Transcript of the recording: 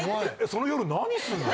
その夜何すんの？